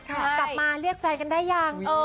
กลับมาเรียกแฟนกันได้ยัง